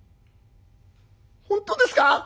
「本当ですか？